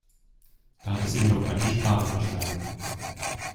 Da hat es ihm doch glatt die Sprache verschlagen.